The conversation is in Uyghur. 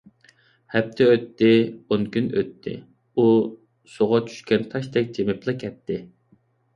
ھەپتە ئۆتتى، ئون كۈن ئۆتتى…ئۇ سۇغا چۈشكەن تاشتەك جىمىپلا كەتتى.